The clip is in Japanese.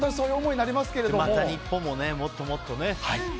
また日本ももっともっとね。